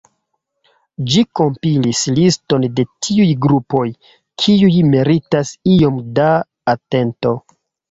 Ĝi kompilis liston de tiuj grupoj, kiuj meritas iom da atento.